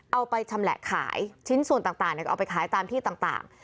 เอาไปชำแหละขายชิ้นส่วนต่างก็เอาไปขายตามที่ต่าง